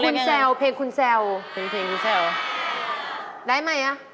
เป็นเพลงคุณเซลล์ได้ไหมอะ